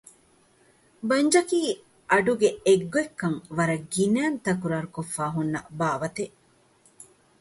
ބަނޖަކީ އަޑުގެ އެއްގޮތްކަން ވަރަށް ގިނައިން ތަކުރާރުކޮށްފައި ހުންނަ ބާވަތެއް